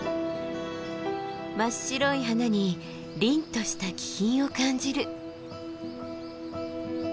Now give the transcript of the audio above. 真っ白い花にりんとした気品を感じる。